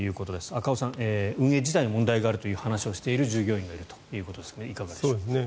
赤尾さん、運営自体に問題があると話している従業員がいるということですがいかがでしょうか？